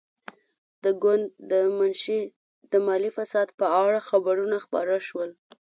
د ګوند د منشي د مالي فساد په اړه خبرونه خپاره شول.